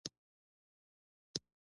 دوی د پلونو پر ځای تل دېوالونه جوړوي.